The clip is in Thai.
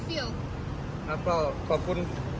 คุณอยู่ในโรงพยาบาลนะ